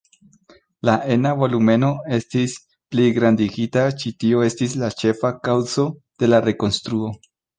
La ena volumeno estis pligrandigita, ĉi tio estis la ĉefa kaŭzo de la rekonstruo.